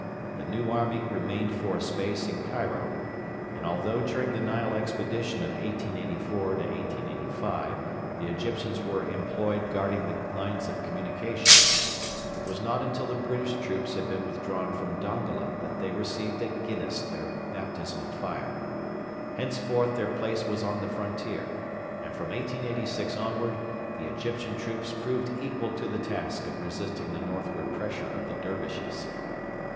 The 'new army' remained for a space in Cairo; and although during the Nile expedition of 1884 85 the Egyptians were employed guarding the lines of communication, it was not until the British troops had been withdrawn from Dongola that they received at Ginniss their baptism of fire. Henceforth their place was on the frontier, and from 1886 onward the Egyptian troops proved equal to the task of resisting the northward pressure of the Dervishes.